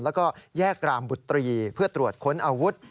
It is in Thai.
แล้วก็แยกรามบุตรีเพื่อตรวจค้นอาวุธ